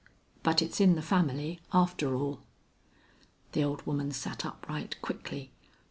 But it's in the family, after all." The old woman sat upright quickly.